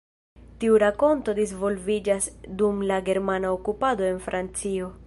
Tiu rakonto disvolviĝas dum la germana okupado en Francio.